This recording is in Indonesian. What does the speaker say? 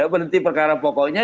berhenti perkara pokoknya